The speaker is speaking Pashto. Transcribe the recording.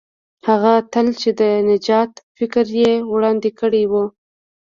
هغه اتل چې د نجات فکر یې وړاندې کړی وو.